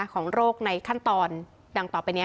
ของโรคในขั้นตอนดังต่อไปนี้